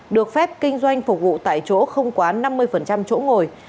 được phép kinh doanh phục vụ tại chỗ không quá năm mươi chỗ ngồi